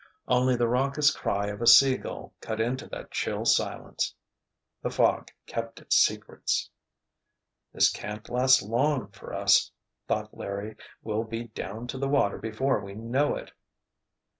Only the raucous cry of a seagull cut into that chill silence! The fog kept its secrets. "This can't last long, for us," thought Larry. "We'll be down to the water before we know it!"